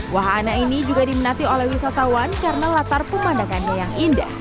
wahana ini juga diminati oleh wisatawan karena latar pemandangannya yang indah